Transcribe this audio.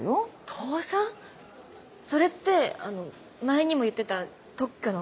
それって前にも言ってた「特許の怪物」？